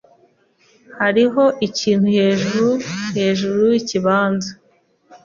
Hariho ikintu hejuru hejuru yikibanza.